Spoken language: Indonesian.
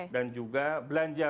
dan juga belanja